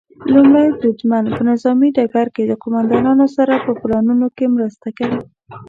لومړی بریدمن په نظامي ډګر کې د قوماندانانو سره په پلانونو کې مرسته کوي.